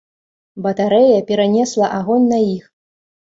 Батарэя перанесла агонь на іх.